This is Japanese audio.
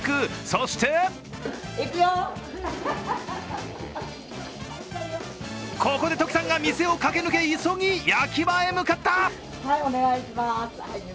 そしてここでトキさんが店を駆け抜け、急ぎ焼き場へ向かった。